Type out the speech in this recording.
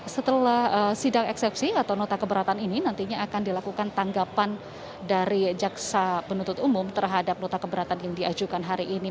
setelah sidang eksepsi atau nota keberatan ini nantinya akan dilakukan tanggapan dari jaksa penuntut umum terhadap nota keberatan yang diajukan hari ini